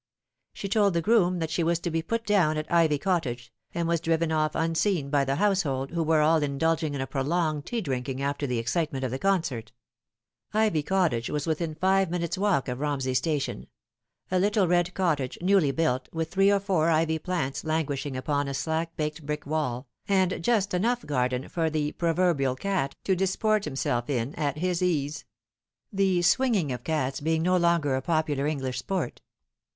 She told the groom that she was to be put down at Ivy Cot tage, and was driven off unseen by the household, who were all indulging in a prolonged tea drinking after the excitement of the concert. A Wife and no Wife. 143 Ivy Cottage was within five minutes' walk of Eomsey Sta tion : a little red cottage, newly built, with three or four ivy plants languishing upon a slack baked brick wall, and just enough garden for the proverbial cat to disport himself in at his ease the swinging of cats being no longer a popular English sport.